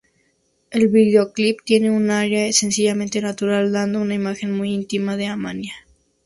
El videoclip tiene un aire sencillamente natural, dando una imagen muy íntima de Amaia.